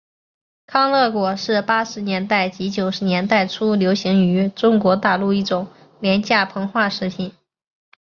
康乐果是八十年代及九十年代初流行于中国大陆一种廉价膨化食品。